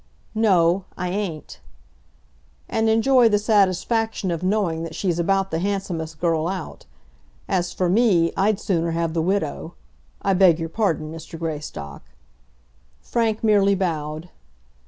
"No; I ain't." "And enjoy the satisfaction of knowing that she's about the handsomest girl out. As for me, I'd sooner have the widow. I beg your pardon, Mr. Greystock." Frank merely bowed.